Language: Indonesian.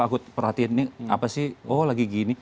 aku perhatiin nih apa sih oh lagi gini